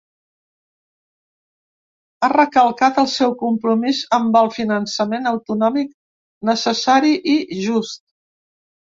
Ha recalcat el seu compromís amb el finançament autonòmic necessari i just.